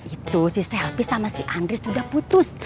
itu si sylvia sama si andries udah putus